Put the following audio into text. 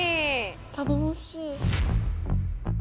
頼もしい。